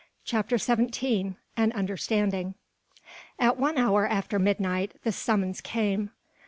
CHAPTER XVII AN UNDERSTANDING At one hour after midnight the summons came.